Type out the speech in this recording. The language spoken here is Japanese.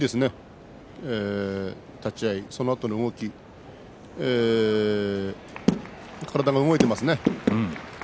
立ち合い、そのあとの動き体が動いていますね。